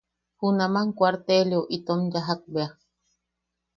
Junaman kuarteleu, itom yajak bea...